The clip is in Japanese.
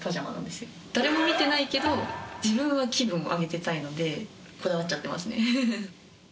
誰も見てないけど自分は気分を上げてたいのでこだわっちゃってますね。